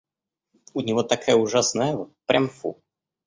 У него такая ужасная ава, прям фу!